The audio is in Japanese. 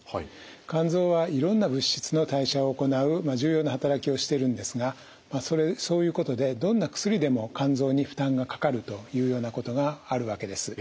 肝臓はいろんな物質の代謝を行う重要な働きをしてるんですがそういうことでどんな薬でも肝臓に負担がかかるというようなことがあるわけです。